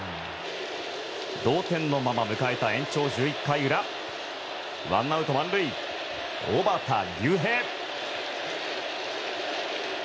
同点のまま迎えた延長１１回裏ワンアウト満塁、小幡竜平。